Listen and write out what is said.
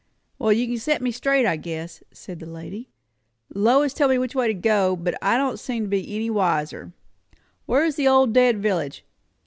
"Well, you can set me straight, I guess," said the lady. "Lois told me which way to go, but I don't seem to be any wiser. Where's the old dead village?